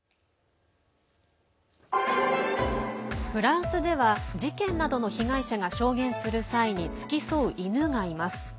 フランスでは事件などの被害者が証言する際に付き添う犬がいます。